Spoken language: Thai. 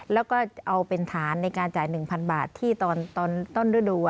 แล้วก็เอาเป็นฐานในการจ่าย๑๐๐บาทที่ตอนต้นฤดู